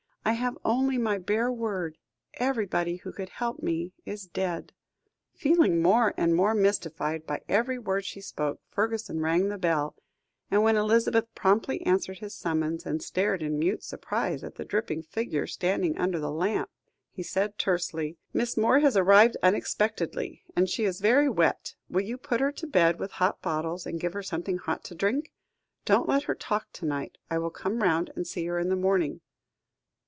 I have only my bare word. Everybody who could help me is dead." Feeling more and more mystified by every word she spoke, Fergusson rang the bell, and when Elizabeth promptly answered his summons, and stared in mute surprise at the dripping figure standing under the lamp, he said tersely: "Miss Moore has arrived unexpectedly, and she is very wet. Will you put her to bed with hot bottles, and give her something hot to drink? Don't let her talk to night. I will come round and see her in the morning."